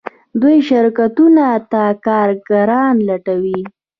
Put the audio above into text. دوی شرکتونو ته کارګران لټوي.